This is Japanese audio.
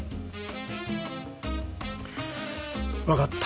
分かった。